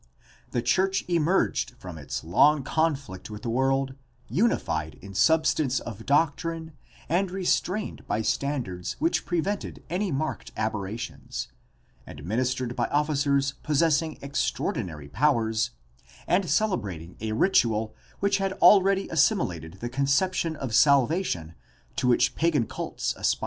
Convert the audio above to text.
The church emerged from its long conflict with the world unified in sub stance of doctrine and restrained by standards which pre vented any marked aberrations, administered by officers possessing extraordinary powers, and celebrating a ritual which had already assimilated the conception of salvation to which pagan cults aspired.